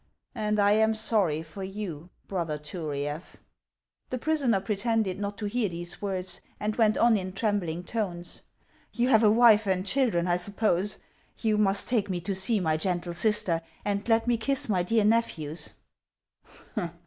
" And I am sorry ior you, brother Turiaf." The prisoner pretended not to hear these words, and went on in trembling tones :" You have a wife and child ren, I suppose ? You must take me to see my gentle sister, and let me kiss my dear nephews."